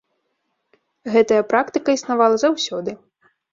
Гэтая практыка існавала заўсёды.